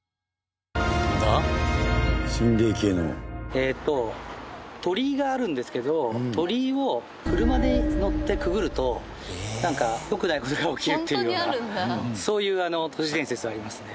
えっと鳥居があるんですけど鳥居を車に乗ってくぐるとなんか良くない事が起きるっていうようなそういう都市伝説はありますね。